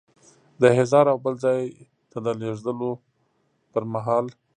د احضار او بل ځای ته د لیږلو پر مهال.